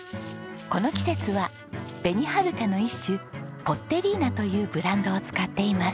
この季節は紅はるかの一種ポッテリーナというブランドを使っています。